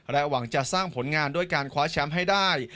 หวังจะสร้างผลงานด้วยการคว้าแชมป์ให้ได้